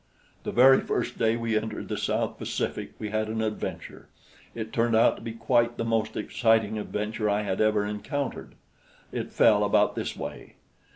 The very first day we entered the South Pacific we had an adventure. It turned out to be quite the most exciting adventure I had ever encountered. It fell about this way.